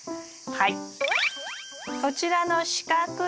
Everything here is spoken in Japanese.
はい。